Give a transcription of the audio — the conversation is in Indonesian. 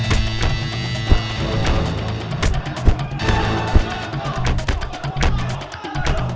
yeay itu bukan kepo namanya